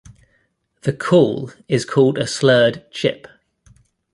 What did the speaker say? The call is called a slurred "chip".